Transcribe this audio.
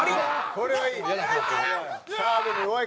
「これはいい！